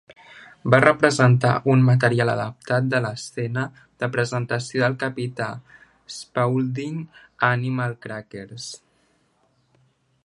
Van representar un material adaptat de la escena de presentació del capità Spaulding a "Animal Crackers".